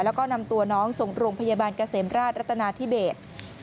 แล้วก็นำตัวน้องส่งโรงพยาบาลเกษมราชรัตนาธิเบศ